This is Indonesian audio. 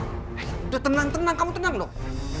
udah tenang tenang kamu tenang dong